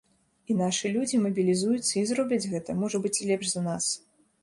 І нашы людзі мабілізуюцца і зробяць гэта, можа быць, лепш за нас.